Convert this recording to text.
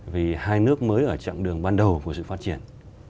vì hai nước mới ở chặng đường ban đầu của sự phát triển